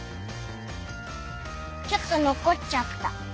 ちょっとのこっちゃった。